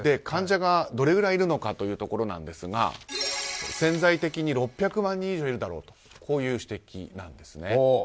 患者がどれぐらいいるのかというところですが潜在的に６００万人以上いるだろうという指摘なんですね。